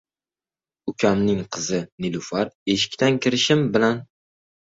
Ukamning qizi- Nilufar eshikdan kirishim bilan